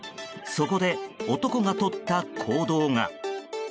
そこで、男がとった行動が。